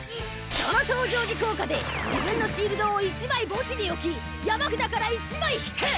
その登場時効果で自分のシールドを１枚墓地に置き山札から１枚引く。